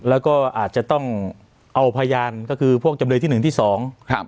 แล้วก็อาจจะต้องเอาพยานก็คือพวกจำเลยที่หนึ่งที่สองครับ